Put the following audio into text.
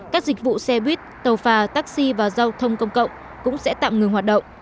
các dịch vụ xe buýt tàu phà taxi và giao thông công cộng cũng sẽ tạm ngừng hoạt động